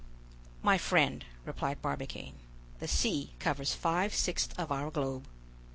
"My friend," replied Barbicane, "the sea covers five sixths of our globe.